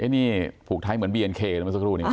นี่ผูกท้ายเหมือนบีเอ็นเคเลยเมื่อสักครู่นี้